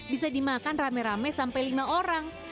bisa dimakan rame rame sampai lima orang